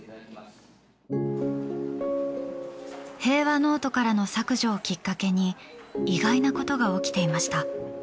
平和ノートからの削除をきっかけに意外なことが起きていました。